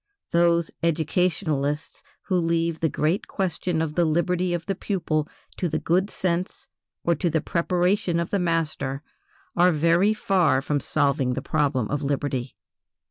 Those educationalists who leave the great question of the liberty of the pupil to the good sense or to the preparation of the master are very far from solving the problem of liberty.